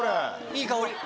いい香り。